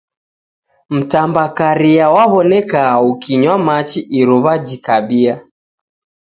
Mtambakaria waw'oneka ikunywa machi iruw'a jikabia.